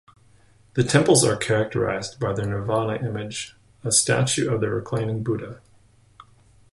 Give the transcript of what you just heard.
The temples are characterised by the Nirvana image, a statue of the reclining Buddha.